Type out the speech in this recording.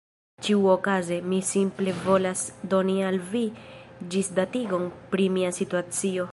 Ĉiuokaze, mi simple volas doni al vi ĝisdatigon pri mia situacio.